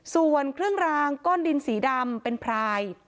ส่วนเครื่องรางก้อนดินสีดำเป็นพราย